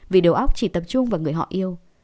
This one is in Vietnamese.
vì đầu óc chỉ tập trung vào người họ yêu